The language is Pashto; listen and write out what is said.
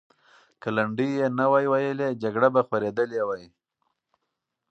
که لنډۍ یې نه وای ویلې، جګړه به خورېدلې وه.